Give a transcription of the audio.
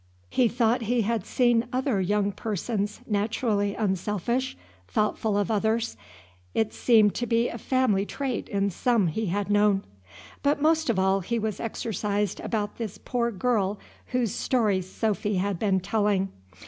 He thought he had seen other young persons naturally unselfish, thoughtful for others; it seemed to be a family trait in some he had known. But most of all he was exercised about this poor girl whose story Sophy had been telling.